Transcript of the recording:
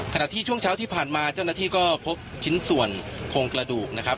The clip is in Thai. ช่วงเช้าที่ผ่านมาเจ้าหน้าที่ก็พบชิ้นส่วนโครงกระดูกนะครับ